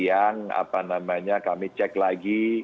di sontek ya terus kemudian siang kami cek lagi